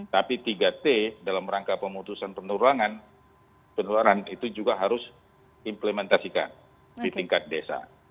tapi tiga t dalam rangka pemutusan penularan itu juga harus implementasikan di tingkat desa